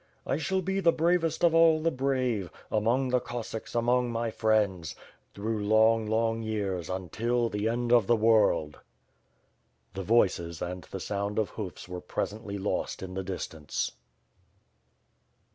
'' I shall be the bravest of aU the brave, Among the Cossacks, among my friends, Through long, long yean until the end of the world." The voices and the sound of hoofs were presently lost in the distance.